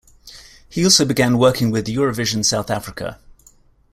He also began working with Eurovision South Africa.